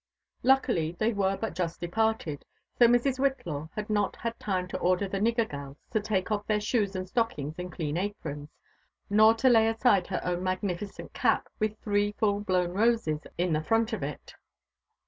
Luckily they were but just departed ; so Mrs. Whitlaw had not had time to order the *' nigger gals" to take off their shoes and stockings and clean aprons, nor to lay aside her own magniflcent cap with three full blown roses in the front of it.